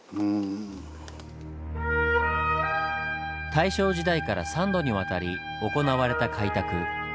大正時代から３度にわたり行われた開拓。